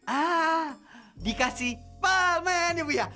ah dikasih permen ya buya